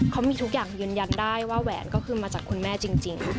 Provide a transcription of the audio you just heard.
เขามีทุกอย่างยืนยันได้ว่าแหวนก็คือมาจากคุณแม่จริง